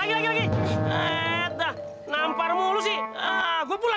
enggak nampak muquiera